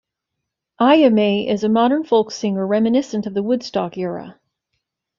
Ayame is a modern folk singer reminiscent of the Woodstock era.